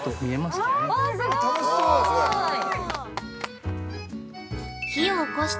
◆すごい！